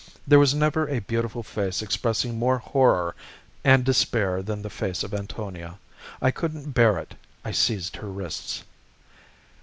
There was never a beautiful face expressing more horror and despair than the face of Antonia. I couldn't bear it; I seized her wrists.